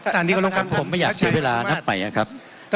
ถ้าประธานครับผมไม่อยากเสียเวลานับใหม่ครับ